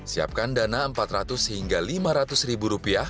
siapkan dana rp empat ratus rp lima ratus